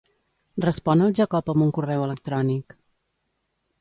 Respon al Jacob amb un correu electrònic.